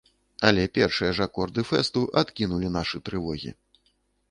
Але першыя ж акорды фэсту адкінулі нашы трывогі.